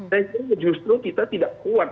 dan justru kita tidak kuat